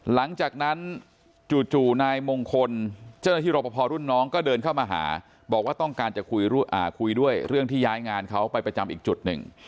หลังจากนั้นจู่นายมงคลเจ้าหน้าที่รอปภรุ่นน้องก็เดินเข้ามาหาบอกว่าต้องการจะคุยด้วยเรื่องที่ย้ายงานเขาไปประจำอีกจุดหนึ่ง